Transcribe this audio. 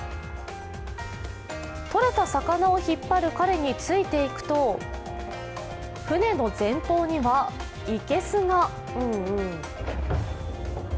取れた魚を引っ張る彼についていくと船の前方にはいけすが。